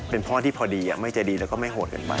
เป็นพ่อที่พอดีไม่ใจดีแล้วก็ไม่โหดกันไป